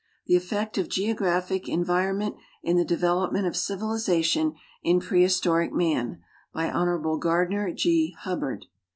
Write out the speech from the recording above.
Tlie Effect of Geographic Environment in lite Development oj Civilization in PreJiistoric Man, by Hon. Gardiner G. Hubbard.